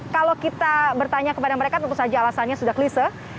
kalau kita bertanya kepada mereka tentu saja alasannya sudah klise